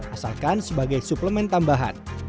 asalkan sebagai suplemen tambahan